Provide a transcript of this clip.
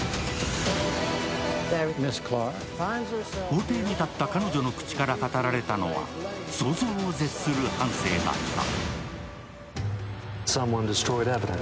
法廷に立った彼女の口から語られたのは想像を絶する半生だった。